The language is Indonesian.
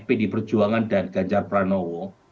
pdi perjuangan dan ganjar pranowo